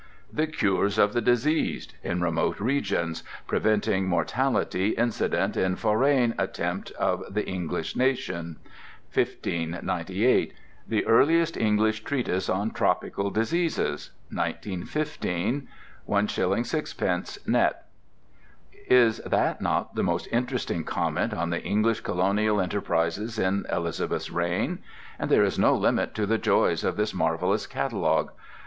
"THE CURES OF THE DISEASED in remote Regions, preventing Mortalitie incident in Forraine Attempts of the English Nation. 1598. The earliest English treatise on tropical diseases. 1915. 1s. 6d. net." Is that not the most interesting comment on the English colonial enterprises in Elizabeth's reign? And there is no limit to the joys of this marvellous catalogue.